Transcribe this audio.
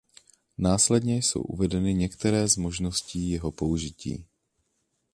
Následně jsou uvedeny některé z možností jeho použití.